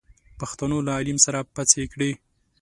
پښتنو له عليم سره پڅې کړې.